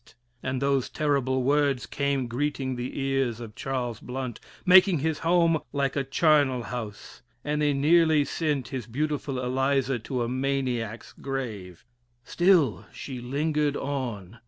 _ And those terrible words came greeting the ears of Charles Blount, making his home like a charnel house, and they nearly sent his beautiful Eliza to a maniac's grave. Still she lingered on.